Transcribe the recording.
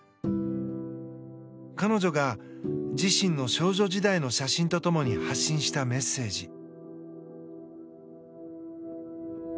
彼女が、自身の少女時代の写真と共に発信したメッセージ。